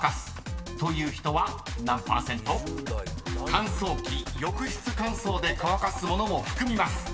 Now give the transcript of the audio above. ［乾燥機・浴室乾燥で乾かすものも含みます］